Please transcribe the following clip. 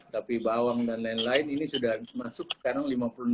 tapi bawang dan lain lain ini sudah masuk sekarang lima puluh enam